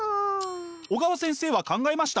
小川先生は考えました。